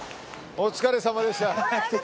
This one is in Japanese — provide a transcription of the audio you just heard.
お疲れさまです。